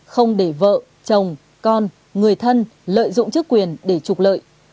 không để vợ chồng con người thân lợi dụng chức quyền để trục lợi